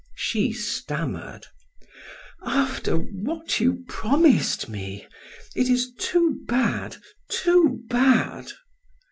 She stammered: "After what you promised me it is too bad too bad."